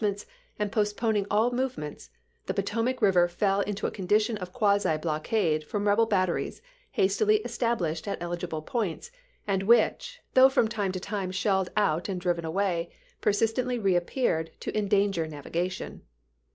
ments and postponing all movements, the Potomac River fell into a condition of quasi blockade from rebel batteries hastily established at eligible points, and which, though from time to time shelled out and driven away, persistently reappeared to en danger navigation.